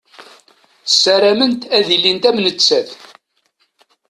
Ssarament ad ilint am nettat.